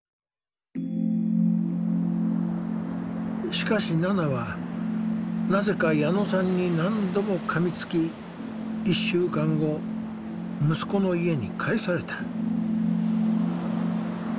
しかしナナはなぜか矢野さんに何度もかみつき１週間後息子の家に帰された。